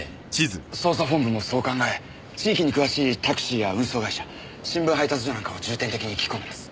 捜査本部もそう考え地域に詳しいタクシーや運送会社新聞配達所なんかを重点的に聞き込んでいます。